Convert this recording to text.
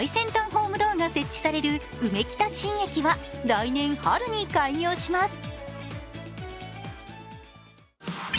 ホームドアが設置されるうめきた新駅は来年春に開業します。